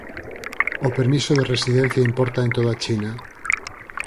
O permiso de residencia importa en toda China.